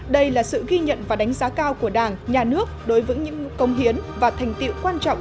đây là sự ghi nhận và đánh giá cao của đảng nhà nước đối với những công hiến và thành tiệu quan trọng